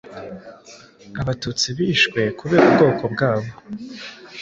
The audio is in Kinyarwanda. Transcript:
Abatutsi bishwe kubera ubwoko bwabo,